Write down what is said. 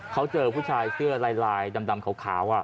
เขาเจอผู้ชายเสื้อลายดำขาว